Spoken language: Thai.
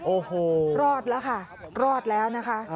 โอ้โหรอดแล้วค่ะรอดแล้วนะคะ